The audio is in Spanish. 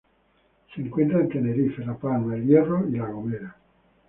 Se encuentra en Tenerife, La Palma, El Hierro y La Gomera.